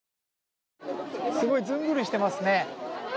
すごいずんぐりしてますね。